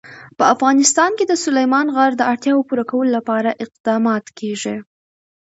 په افغانستان کې د سلیمان غر د اړتیاوو پوره کولو لپاره اقدامات کېږي.